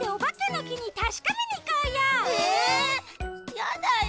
やだよ！